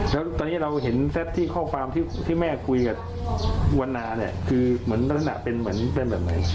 แล้วตอนนี้เราเห็นแซ่บที่ข้อความที่ที่แม่คุยกับวรรณานี่คือเหมือนต้นหน้าเป็นเหมือนเป็นแบบไหน